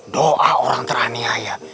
doa orang teraniaya